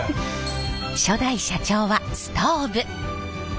初代社長はストーブ。